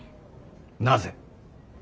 なぜ。